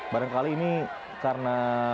barangkali ini karena